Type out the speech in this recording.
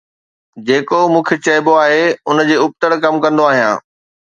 جيڪو مون کي چئبو آهي ان جي ابتڙ ڪم ڪندو آهيان